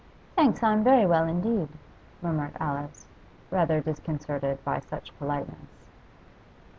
'Thanks, I'm very well indeed,' murmured Alice, rather disconcerted by such politeness.